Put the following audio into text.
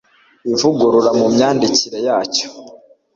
ivugurura mu myandikire yacyo